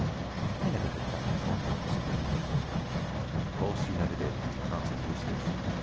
"I never heard of that before," said Primrose. "Of course, you never did," answered Eustace.